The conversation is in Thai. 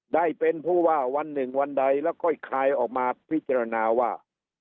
ได้เป็นผู้ว่าวันหนึ่งวันใดแล้วค่อยคลายออกมาพิจารณาว่า